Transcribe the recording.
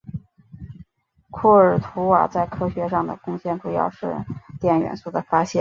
库尔图瓦在科学上的贡献主要是碘元素的发现。